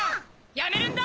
やめるんだ！